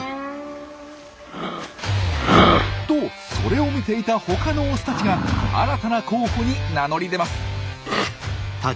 とそれを見ていた他のオスたちが新たな候補に名乗り出ます。